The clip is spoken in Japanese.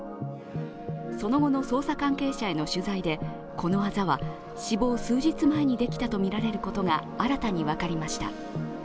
その後の捜査関係者への取材でこのあざは死亡数日前にできたとみられることが新たに分かりました。